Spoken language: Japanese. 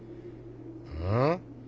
うん？